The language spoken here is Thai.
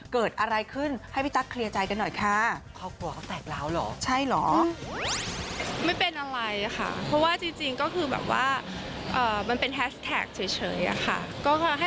เกิดอะไรขึ้นให้พี่ตั๊กเคลียร์ใจกันหน่อยค่ะ